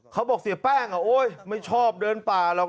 เขาบอกเสียแป้งโอ๊ยไม่ชอบเดินป่าหรอก